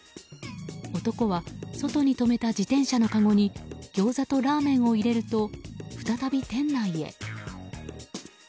男は、外に止めた自転車のかごにギョーザとラーメンを入れると再び店内へ。